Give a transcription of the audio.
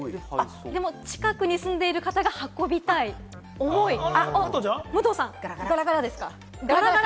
近くに住んでいる方が運びたい、重い、ガラガラですか？